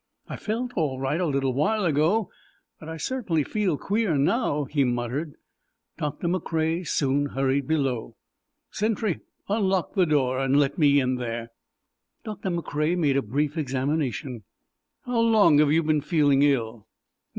"I felt all right a little while ago, but I certainly feel queer now," he muttered. Doctor McCrea soon hurried below. "Sentry, unlock the door! Let me in there!" Doctor McCrea made a brief examination. "How long have you been feeling ill?"